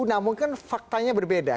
namun kan faktanya berbeda